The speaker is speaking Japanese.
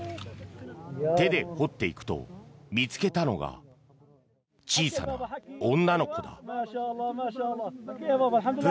手で掘っていくと、見つけたのが小さな女の子だ。